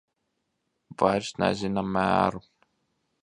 Vairs nezina mēru.